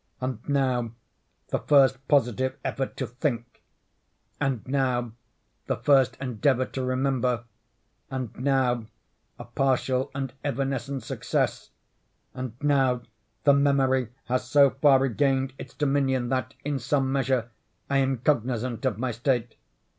And now the first positive effort to think. And now the first endeavor to remember. And now a partial and evanescent success. And now the memory has so far regained its dominion, that, in some measure, I am cognizant of my state.